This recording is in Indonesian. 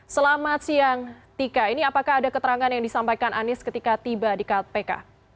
selamat siang tika ini apakah ada keterangan yang disampaikan anies ketika tiba di kpk